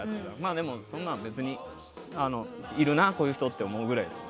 でも、そんなん別にいるなこういう人って思うくらいです。